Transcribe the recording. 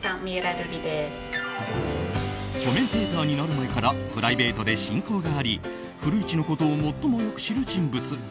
コメンテーターになる前からプライベートで親交があり古市のことを最もよく知る人物。